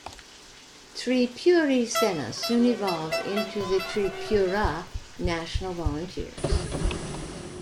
Tripuri Sena soon evolved into the Tripura National Volunteers.